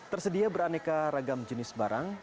tersedia beraneka ragam jenis barang